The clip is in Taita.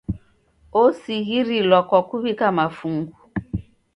Osighirilwa kwa kuw'ika mafungu.